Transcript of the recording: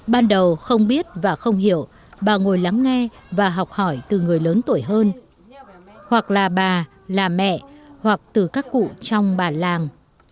ban đầu không biết và không hiểu bà ngồi lắng nghe và học hỏi từ người lớn tuổi hơn hoặc là bà là mẹ hoặc từ các cụ trong bản làng